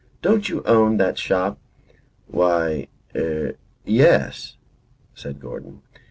"Don't you own that shop?" "Why er yes," said Gordon.